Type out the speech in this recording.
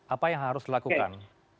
apa yang harus dilakukan